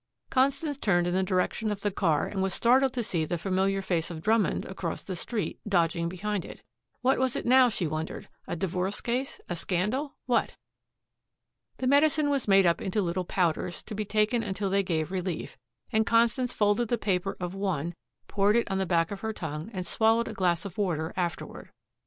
Constance turned in the direction of the car and was startled to see the familiar face of Drummond across the street dodging behind it. What was it now, she wondered a divorce case, a scandal what? The medicine was made up into little powders, to be taken until they gave relief, and Constance folded the paper of one, poured it on the back of her tongue and swallowed a glass of water afterward.